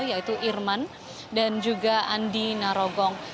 yaitu irman dan juga andi narogong